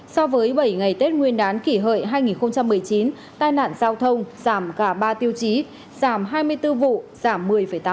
so với bảy ngày tết nguyên đán kỷ hợi hai nghìn một mươi chín tai nạn giao thông giảm cả ba tiêu chí giảm hai mươi bốn vụ giảm một mươi tám